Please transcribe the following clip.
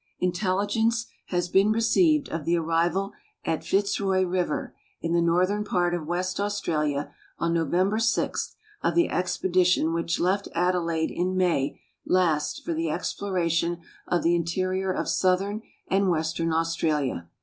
Intelligence has been received of the arrival at Fitz roy river, in the northern part of West Australia, on November 6, of tlie ex])edition which left Adelaide in INIay last for the e.xploration of the in terior of southern and western Australia.